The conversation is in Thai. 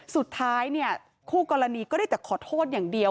สุดท้ายเนี่ยคู่กรณีก็ได้แต่ขอโทษอย่างเดียว